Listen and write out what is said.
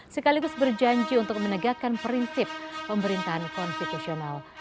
sekaligus berjanji untuk menegakkan prinsip pemerintahan konstitusional